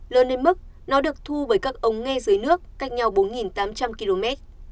lớn đến mức nó được thu với các ống nghe dưới nước cách nhau bốn tám trăm linh km